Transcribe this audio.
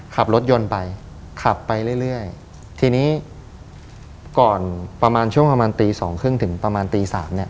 ขับรถยนต์ไปขับไปเรื่อยทีนี้ก่อนช่วงประมาณตี๒๓๐ถึงประมาณตี๓เนี่ย